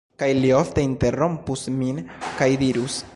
Kaj li ofte interrompus min, kaj dirus: